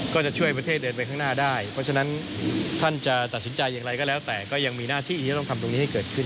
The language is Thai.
ก็จะช่วยประเทศเดินไปข้างหน้าได้เพราะฉะนั้นท่านจะตัดสินใจอย่างไรก็แล้วแต่ก็ยังมีหน้าที่ที่จะต้องทำตรงนี้ให้เกิดขึ้น